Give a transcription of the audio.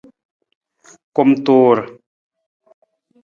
Kumtuur.